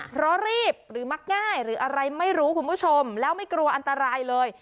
เพราะรีบหรือมักง่ายหรืออะไรไม่รู้คุณผู้ชมแล้วไม่กลัวอันตรายเลย